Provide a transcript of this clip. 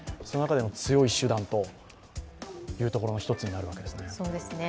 その中でも強い手段というところの一つになるわけですね。